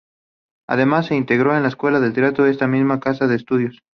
Además, se integró a la escuela de teatro de esta misma casa de estudios.